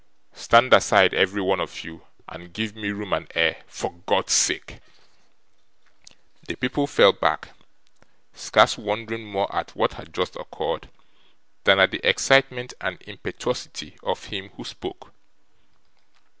Stand aside, every one of you, and give me room and air for God's sake!' The people fell back, scarce wondering more at what had just occurred, than at the excitement and impetuosity of him who spoke.